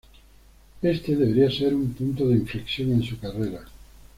Este debería ser un punto de inflexión en su carrera".